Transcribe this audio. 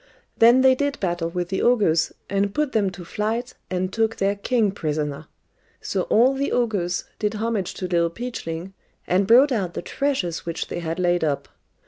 Then they did battle with the ogres, and put them to flight, and took their king prisoner. So all the ogres did homage to Little Peachling, and brought out the treasures which they had laid up.